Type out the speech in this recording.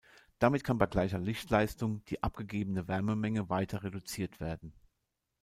Damit kann bei gleicher Lichtleistung die abgegebene Wärmemenge weiter reduziert werden.